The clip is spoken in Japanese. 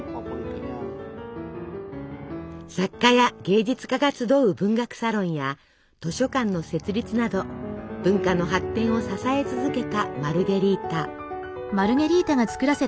作家や芸術家が集う文学サロンや図書館の設立など文化の発展を支え続けたマルゲリータ。